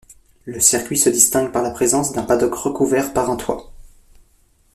Le circuit se distingue par la présence d'un paddock recouvert par un toit.